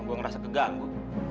gue ngerasa keganggu